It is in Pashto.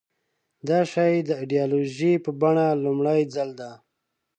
دا شی د ایدیالوژۍ په بڼه لومړي ځل ده.